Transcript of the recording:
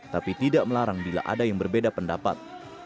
tapi tidak melarang bila ada yang berbeda pendapat